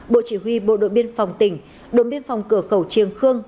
bộ chỉ huy bộ đội biên phòng tỉnh đội biên phòng cửa khẩu triêng khương